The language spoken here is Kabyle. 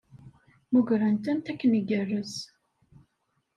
Mmugren-tent akken igerrez.